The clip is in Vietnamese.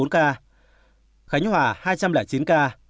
khánh hòa hai trăm linh chín ca